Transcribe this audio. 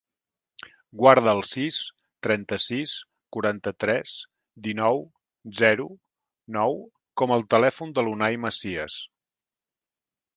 Guarda el sis, trenta-sis, quaranta-tres, dinou, zero, nou com a telèfon de l'Unay Macias.